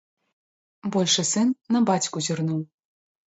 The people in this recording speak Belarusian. Большы сын на бацьку зірнуў.